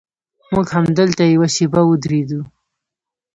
موږ همدلته یوه شېبه ودرېدو.